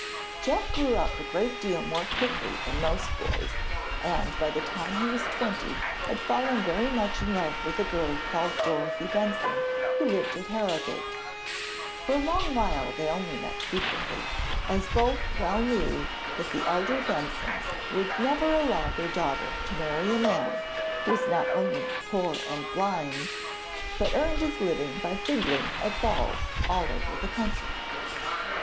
Jack grew up a great deal more quickly than most boys, and by the time he was twenty had fallen very much in love with a girl called Dorothy Benson, who lived at Harrogate. For a long while they only met secretly, as both well knew that the elder Bensons would never allow their daughter to marry a man who was not only poor and blind, but earned his living by fiddling at balls all over the country.